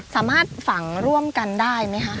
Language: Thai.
สามารถฝังร่วมกันได้ไหมคะ